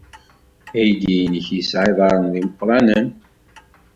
Aydi-nnek yesɛa iḍarren d imeqranen!